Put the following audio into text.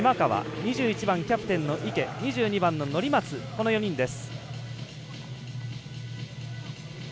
２１番キャプテンの池と乗松、この４人です。